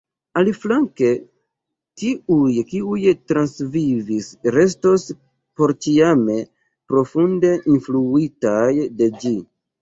Aliflanke, tiuj kiuj transvivis restos porĉiame profunde influitaj de ĝi.